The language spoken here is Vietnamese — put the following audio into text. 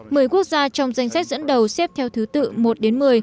mười quốc gia trong danh sách dẫn đầu xếp theo thứ tự một đến một mươi